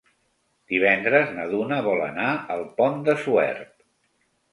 Divendres na Duna vol anar al Pont de Suert.